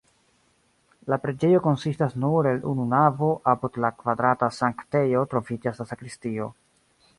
La preĝejo konsistas nur el unu navo, apud la kvadrata sanktejo troviĝas la sakristio.